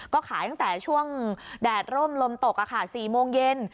ก็ขายตั้งแต่ช่วงแดดร่มลมตก๔โมงเย็น